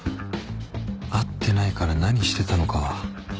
会ってないから何してたのかは